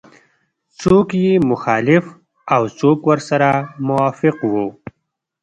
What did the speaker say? څوک یې مخالف او څوک ورسره موافق وو.